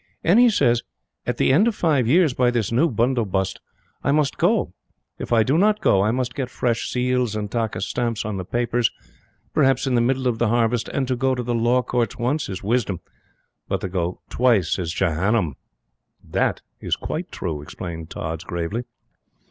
And he says: 'At the end of five years, by this new bundobust, I must go. If I do not go, I must get fresh seals and takkus stamps on the papers, perhaps in the middle of the harvest, and to go to the law courts once is wisdom, but to go twice is Jehannum.' That is QUITE true," explained Tods, gravely.